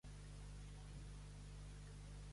Les produccions s'exposen al Menador Espai Cultural.